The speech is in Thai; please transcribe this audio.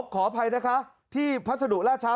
ขออภัยนะคะที่พัสดุล่าช้า